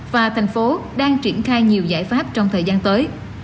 và thành phố đang triển khai nhiều giải pháp trong thời gian tới